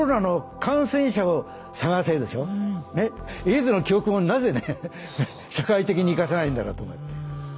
エイズの教訓をなぜね社会的に生かせないんだろうと思って。